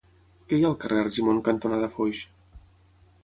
Què hi ha al carrer Argimon cantonada Foix?